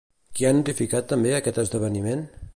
Qui ha notificat també aquest esdeveniment?